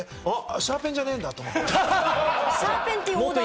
シャーペンじゃねえんだって思って。